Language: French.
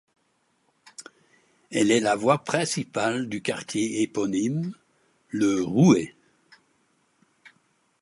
Elle est la voie principale du quartier éponyme, Le Rouet.